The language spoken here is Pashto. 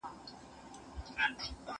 زه له سهاره درسونه اورم!